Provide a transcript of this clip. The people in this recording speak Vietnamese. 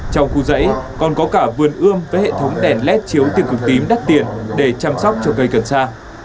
trong khu dãy còn có cả vườn ươm với hệ thống đèn led chiếu tiền cực tím đắt tiền để chăm sóc trồng cây cần xa